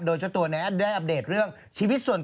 โดยเจ้าตัวนี้ได้อัปเดตเรื่องชีวิตส่วนตัว